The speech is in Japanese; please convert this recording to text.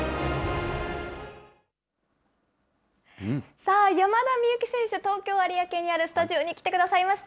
さあ、山田美幸選手、東京・有明にあるスタジオに来てくださいました。